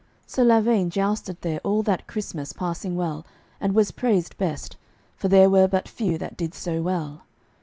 Sir Lavaine jousted there all that Christmas passing well, and was praised best, for there were but few that did so well.